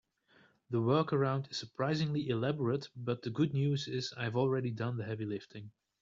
The workaround is surprisingly elaborate, but the good news is I've already done the heavy lifting.